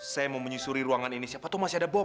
saya mau menyusuri ruangan ini siapa tuh masih ada bom